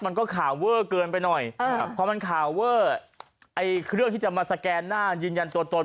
มันก็ข่าวเวอร์เกินไปหน่อยพอมันข่าวเวอร์ไอ้เครื่องที่จะมาสแกนหน้ายืนยันตัวตน